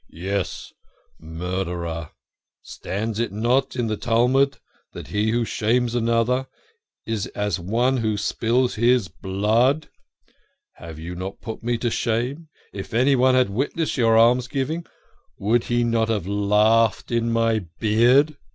Yes, murderer ! Stands it not in the Talmud that he who shames another is as one who spills his blood? And have you not put me to shame if anyone had witnessed your almsgiving, would he not have laughed in my beard?"